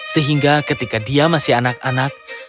sehingga ketika dia masih anak anak